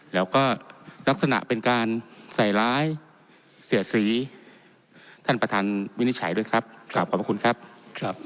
แล้วก็ลักษณะเป็นการว่าใส่ร้ายเสียสีท่านประทานชัยด้วยครับถามขอบคุณครับ